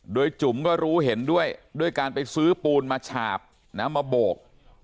โดยจุ๋มก็รู้เห็นด้วยด้วยการไปซื้อปูนมาฉาบมาโบก